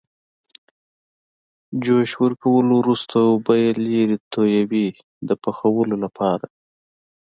جوش ورکولو وروسته اوبه یې لرې تویوي د پخولو لپاره.